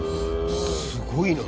すごいな。